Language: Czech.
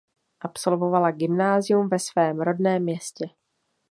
Absolvovala gymnázium ve svém rodném městě.